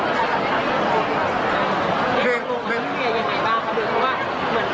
แล้วพี่ก็ตามว่า